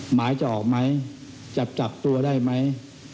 หมายจะออกไหมจับตัวได้ไหม